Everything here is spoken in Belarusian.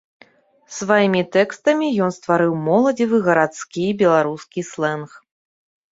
Сваімі тэкстамі ён стварыў моладзевы гарадскі беларускі слэнг.